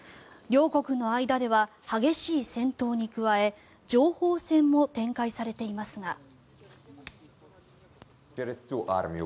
両国の間では激しい戦闘に加え情報戦も展開されていますが。